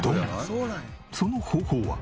その方法は？